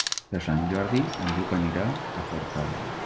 Per Sant Jordi en Lluc anirà a Forcall.